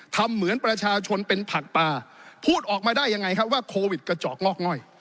ทำเหมือนประชาชนเป็นผักปลาพูดออกมาได้ยังไงครับว่าโควิดกระจอกงอกง่อย